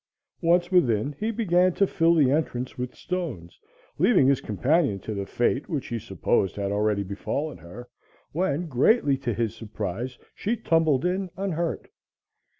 Once within, he began to fill the entrance with stones, leaving his companion to the fate which he supposed had already befallen her, when, greatly to his surprise, she tumbled in unhurt.